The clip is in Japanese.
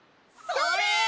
それ！